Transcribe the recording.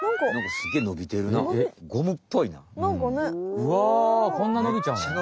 うわこんなのびちゃうの？